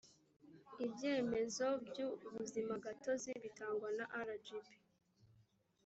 ibyemezo byu ubuzimagatozi bitangwa na rgb